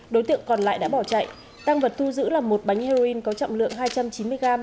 đối tượng còn lại đã bỏ chạy tăng vật thu giữ là một bánh heroin có trọng lượng hai trăm chín mươi g